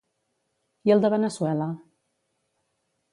I el de Veneçuela?